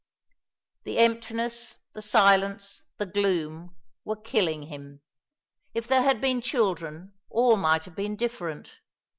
The emptiness, the silence, the gloom, were killing him. If there had been children, all might have been different.